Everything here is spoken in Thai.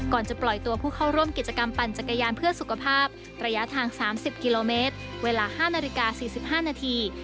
ก่อนจะปล่อยตัวผู้เข้าร่วมกิจกรรมปั่นจักรยานเพื่อสุขภาพระยะทาง๓๐กิโลเมตรเวลา๕นาฬิกา๔๕นาที